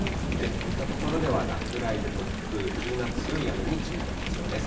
こういった所では落雷、突風、急な強い雨に注意が必要です。